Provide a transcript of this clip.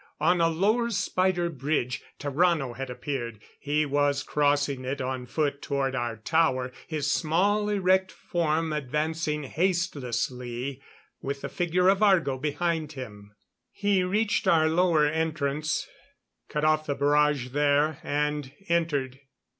On a lower spider bridge Tarrano had appeared. He was crossing it on foot toward our tower, his small erect form advancing hastelessly, with the figure of Argo behind him. He reached our lower entrance, cut off the barrage there, and entered.